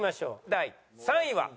第３位は。